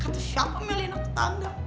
kata siapa melena ketanda